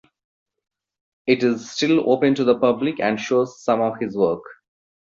It is still open to the public and shows some of his work.